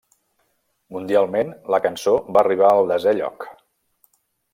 Mundialment, la cançó, va arribar al desè lloc.